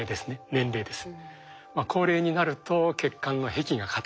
年齢です。